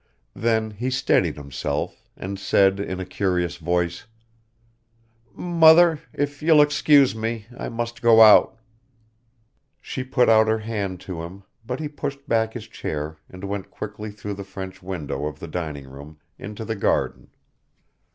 Then he steadied himself and said in a curious voice: "Mother ... if you'll excuse me, I must go out." She put out her hand to him but he pushed back his chair and went quickly through the French window of the dining room, into the garden.